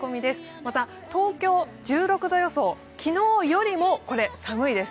また東京１６度予想、昨日よりも寒いです。